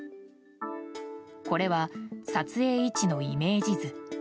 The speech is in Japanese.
これは、撮影位置のイメージ図。